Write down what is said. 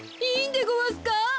いいんでごわすか？